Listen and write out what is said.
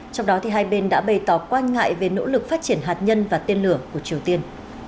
trong đó hai bên đã bày tỏ quan ngại về nỗ lực phát triển hạt nhân và tên lửa của triều tiên